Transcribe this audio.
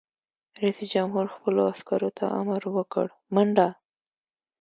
رئیس جمهور خپلو عسکرو ته امر وکړ؛ منډه!